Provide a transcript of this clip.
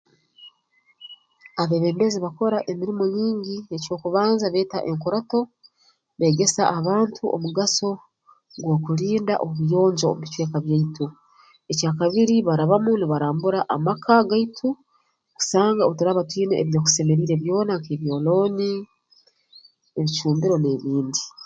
Abeebembezi bakora emirimo nyingi eky'okubanza beeta enkurato beegesa abantu omugaso gw'okulinda obuyonjo omu bicweka byaitu ekya kyakabiri barabamu nibarambura amaka gaitu kusanga obu turaaba twine ebinyakusemeriire byona nk'ebyolooni ebicumbiro n'ebindi